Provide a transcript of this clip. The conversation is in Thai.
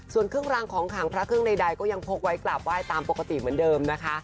ส่วนเครื่องรางของขังพระเครื่องใดก็ยังพกไว้กราบไหว้ตามปกติเหมือนเดิมนะคะ